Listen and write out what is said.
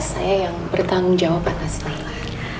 saya yang bertanggung jawab atas tanah